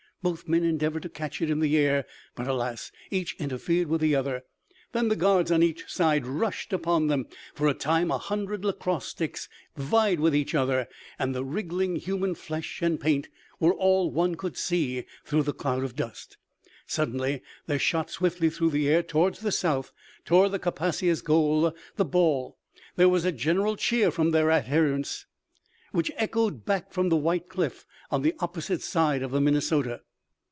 Both men endeavored to catch it in the air; but alas! each interfered with the other; then the guards on each side rushed upon them. For a time, a hundred lacrosse sticks vied with each other, and the wriggling human flesh and paint were all one could see through the cloud of dust. Suddenly there shot swiftly through the air toward the south, toward the Kaposias' goal, the ball. There was a general cheer from their adherents, which echoed back from the white cliff on the opposite side of the Minnesota.